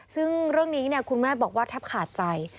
ซึ่งเรื่องนี้คุณแม่บอกว่าแทบขาดใจ